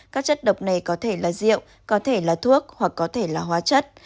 các chất độc này có thể là rượu có thể là thuốc hoặc có thể là hóa chất